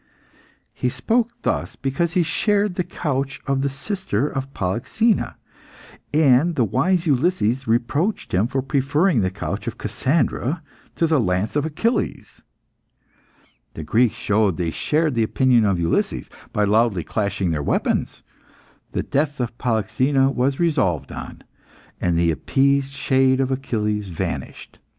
He spoke thus because he shared the couch of the sister of Polyxena, and the wise Ulysses reproached him for preferring the couch of Cassandra to the lance of Achilles. The Greeks showed they shared the opinion of Ulysses, by loudly clashing their weapons. The death of Polyxena was resolved on, and the appeased shade of Achilles vanished.